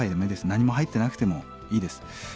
何も入ってなくてもいいです。